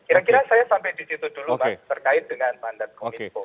kira kira saya sampai di situ dulu mas terkait dengan mandat kominfo